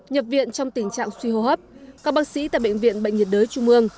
nhập viện trong tình trạng suy hô hấp các bác sĩ tại bệnh viện bệnh nhiệt đới trung ương